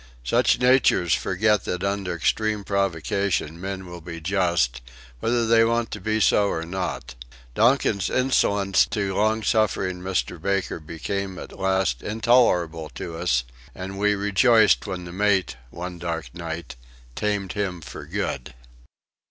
Such natures forget that under extreme provocation men will be just whether they want to be so or not. Donkin's insolence to long suffering Mr. Baker became at last intolerable to us, and we rejoiced when the mate, one dark night, tamed him for good.